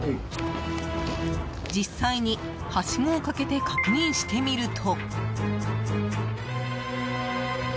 実際にはしごをかけて確認してみると。